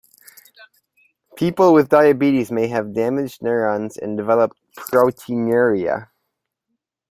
People with diabetes may have damaged nephrons and develop proteinuria.